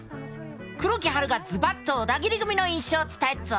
黒木華がズバッとオダギリ組の印象を伝えっぞ！